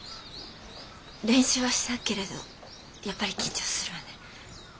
練習はしたけれどやっぱり緊張するわね。